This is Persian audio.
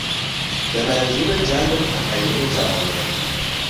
به منظور جلب تخیل جوانان